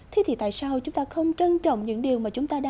thế thì tại sao chúng ta không trân trọng những điều mà chúng ta có thể làm